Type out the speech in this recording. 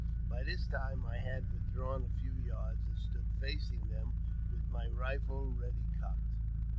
By this time I had with drawn a few yards, and stood facing them, with my rifle jeady cocked.